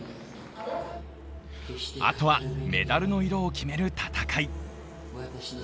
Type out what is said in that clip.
あとはメダルの色を決める戦い。